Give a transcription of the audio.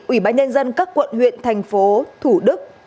ủy ban nhân dân các quận huyện thành phố thủ đức